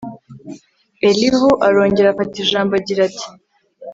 elihu arongera afata ijambo, agira ati